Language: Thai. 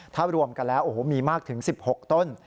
ถ้ารวมกันแล้วโอ้โหมีมากถึง๑๖ต้น